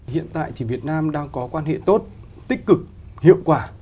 hiện tại thì việt nam đang có quan hệ tốt tích cực hiệu quả